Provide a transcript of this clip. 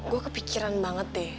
gue kepikiran banget deh